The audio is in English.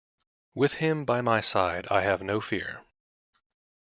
With him by my side I have no fear.